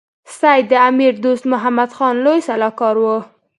سید د امیر دوست محمد خان لوی سلاکار وو.